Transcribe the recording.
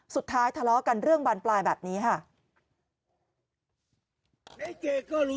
สุดท้ายทะเลากันเรื่องบรรปลายแบบนี้ค่ะ